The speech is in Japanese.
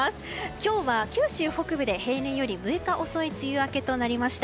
今日は九州北部で平年より６日遅い梅雨明けになりました。